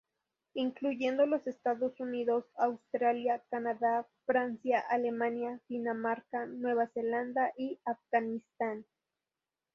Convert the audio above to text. Incluyendo los Estados Unidos, Australia, Canadá, Francia, Alemania, Dinamarca, Nueva Zelanda y Afganistán.